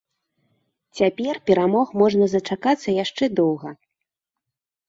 Цяпер перамог можна зачакацца яшчэ доўга.